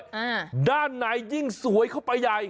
อ่าด้านในยิ่งสวยเข้าไปใหญ่